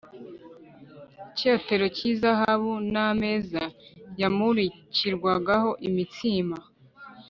icyotero cy’izahabu n’ameza yamurikirwagaho imitsima